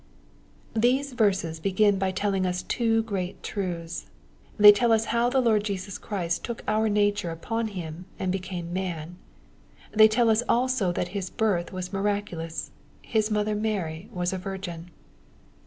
These verses begin by telling ns two great truths. They tell us how the Lord Jesus Christ took our nature upon Him, and became man. They tell us also that His birth was miraculous. His mother Mary was a virgin.